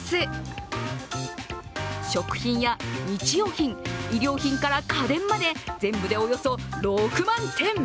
食品や日用品、衣料品から家電まで全部でおよそ６万点。